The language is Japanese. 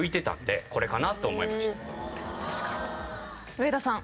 上田さん